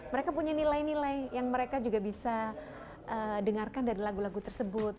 mereka punya nilai nilai yang mereka juga bisa dengarkan dari lagu lagu tersebut